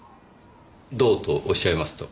どうとおっしゃいますと？